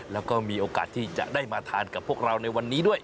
แล้วก็มีโอกาสที่จะได้มาทานกับพวกเราในวันนี้ด้วย